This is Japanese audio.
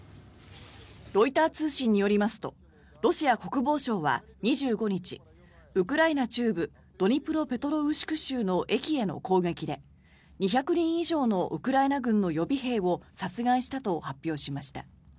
ロイター通信によりますとロシア国防省は２５日ウクライナ中部ドニプロペトロウシク州の駅への攻撃で２００人以上のウクライナ軍の予備兵を殺害したと発表しました。